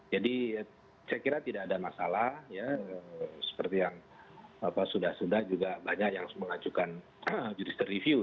jadi saya kira tidak ada masalah seperti yang sudah sudah juga banyak yang mengajukan jurister review